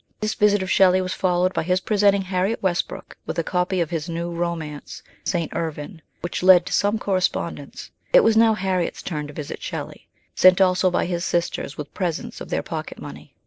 This visit of Shelley was followed by his presenting Harriet Westbrook with a copy of his new romance, St. Irvyne, which led to some correspondence. It was now Harriet's turn to visit Shelley, sent also by his sisters with presents of their pocket money.